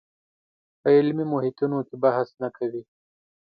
په علمي محیطونو کې بحث نه کوي